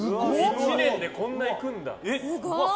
１年でこんないくんだ。